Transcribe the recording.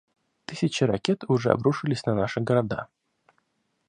Тысячи ракет уже обрушились на наши города.